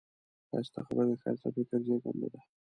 ښایسته خبرې د ښایسته فکر زېږنده ده